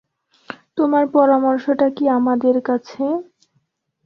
তোমার পরামর্শটা কী আমাদের কাছে?